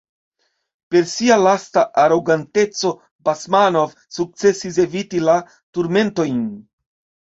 Per sia lasta aroganteco Basmanov sukcesis eviti la turmentojn.